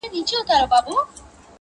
• یو په یو یې ور حساب کړله ظلمونه,